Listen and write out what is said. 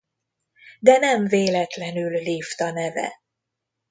De nem véletlenül lift a neve.